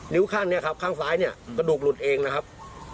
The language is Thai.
ข้างเนี่ยครับข้างซ้ายเนี่ยกระดูกหลุดเองนะครับ